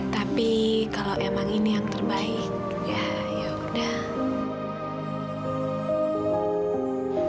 tapi kalau emang ini yang terbaik ya yaudah